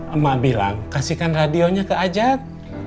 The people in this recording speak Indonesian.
emak bilang kasihkan radionya ke ajat